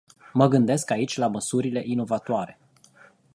Mă gândesc aici la măsurile inovatoare.